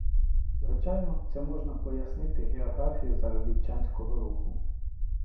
Звичайно, це можна пояснити географією заробітчанського руху.